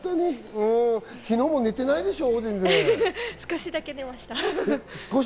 昨日も寝てないでしょ？